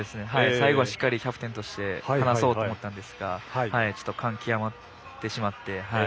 最後、しっかりキャプテンとして話そうと思ったんですが感極まってしまって。